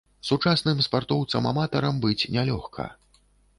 Сучасным спартоўцам-аматарам быць нялёгка.